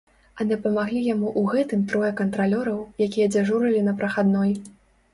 А дапамаглі яму ў гэтым трое кантралёраў, якія дзяжурылі на прахадной.